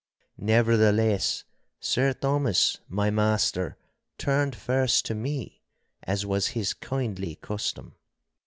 Nevertheless Sir Thomas, my master, turned first to me, as was his kindly custom.